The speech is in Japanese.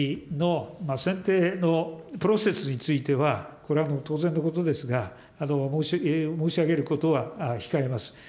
人事の選定のプロセスについては、これは当然のことですが、申し上げることは控えます。